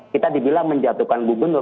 kita dibilang menjatuhkan gubernur